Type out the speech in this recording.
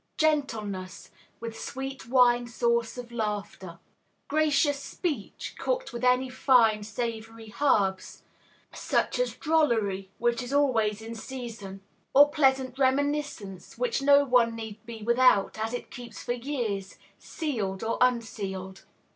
GENTLENESS, with sweet wine sauce of Laughter. GRACIOUS SPEECH, cooked with any fine, savory herbs, such as Drollery, which is always in season, or Pleasant Reminiscence, which no one need be without, as it keeps for years, sealed or unsealed.